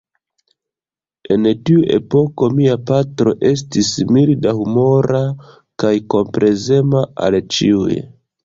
En tiu epoko mia patro estis mildahumora kaj komplezema al ĉiuj.